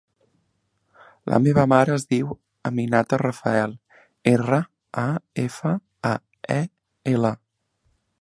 La meva mare es diu Aminata Rafael: erra, a, efa, a, e, ela.